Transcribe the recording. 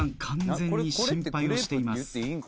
完全に心配をしています。